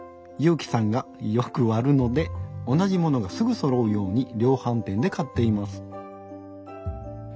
ゆうきさんがよく割るので同じものがすぐそろうように量販店で買っています。